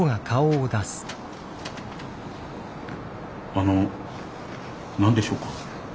・あの何でしょうか？